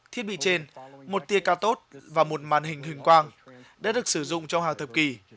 thiết bị trên một tia cathot và một màn hình hình quang đã được sử dụng trong hàng thập kỷ